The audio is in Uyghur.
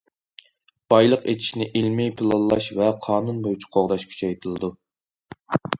بايلىق ئېچىشنى ئىلمىي پىلانلاش ۋە قانۇن بويىچە قوغداش كۈچەيتىلىدۇ.